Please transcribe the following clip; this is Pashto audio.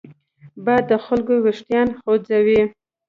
باد د خلکو وېښتان خوځوي